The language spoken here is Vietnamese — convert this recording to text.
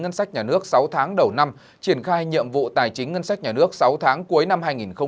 ngân sách nhà nước sáu tháng đầu năm triển khai nhiệm vụ tài chính ngân sách nhà nước sáu tháng cuối năm hai nghìn một mươi chín